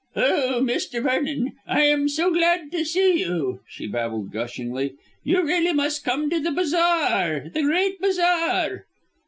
"Oh, Mr. Vernon, I am so glad to see you," she babbled gushingly, "you really must come to the the bazaar the great bazaar."